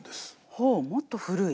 ほうもっと古い。